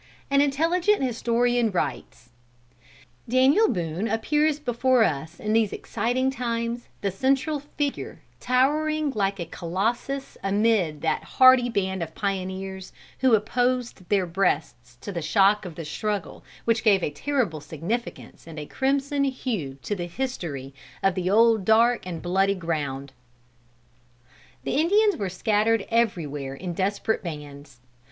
An intelligent historian writes: "Daniel Boone appears before us in these exciting times the central figure towering like a colossus amid that hardy band of pioneers who opposed their breasts to the shock of the struggle which gave a terrible significance and a crimson hue to the history of the old dark and bloody ground." The Indians were scattered everywhere in desperate bands.